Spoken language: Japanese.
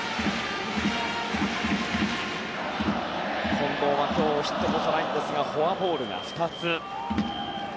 近藤は今日ヒットこそないですがフォアボールが２つ。